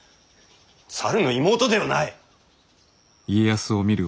猿の妹ではない。